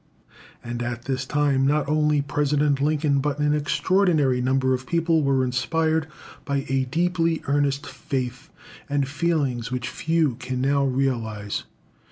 And at this time not only President Lincoln, but an extraordinary number of people were inspired by a deeply earnest faith and feelings which few can now realise.